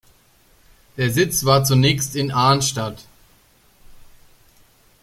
Der Sitz war zunächst in Arnstadt.